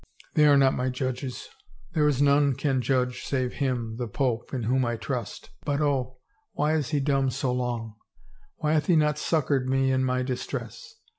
They are not my judges — there is none can judge save him, the pope, in whom I trust — but oh, why is he dumb so long? Why hath he not succored me in my distress?